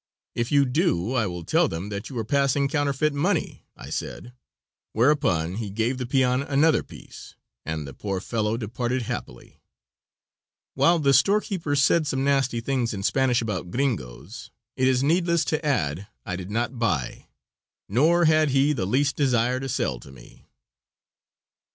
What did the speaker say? "If you do, I will tell them that you are passing counterfeit money," I said, whereupon he gave the peon another piece, and the poor fellow departed happy. While the storekeeper said some nasty things in Spanish about "Gringos," it is needless to add I did not buy, nor had he the least desire to sell to me.